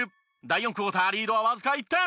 第４クォーターリードはわずか１点。